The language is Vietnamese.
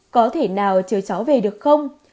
có thể nào chờ cháu về được không